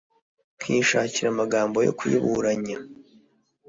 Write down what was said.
nkishakira amagambo yo kuyiburanya’